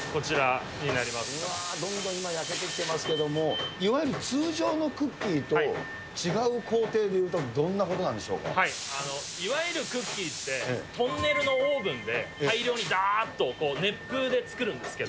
うわー、どんどん今、焼けてきてますけども、いわゆる通常のクッキーと違う工程でいうとどんいわゆるクッキーって、トンネルのオーブンで大量にだーっと熱風で作るんですけど。